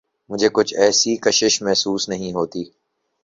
مجھے کچھ ایسی کشش محسوس نہیں ہوتی۔